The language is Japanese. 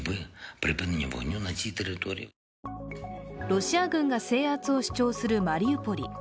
ロシア軍が制圧を主張するマリウポリ。